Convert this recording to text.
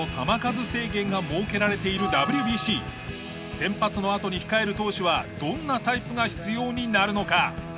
先発のあとに控える投手はどんなタイプが必要になるのか？